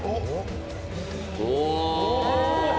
お！